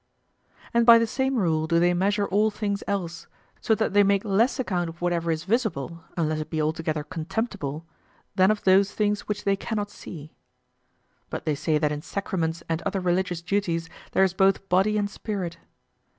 And by the same rule do they measure all things else, so that they make less account of whatever is visible, unless it be altogether contemptible, than of those things which they cannot see. But they say that in Sacraments and other religious duties there is both body and spirit.